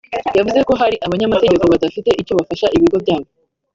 yavuze ko hari abanyamategeko badafite icyo bafasha ibigo byabo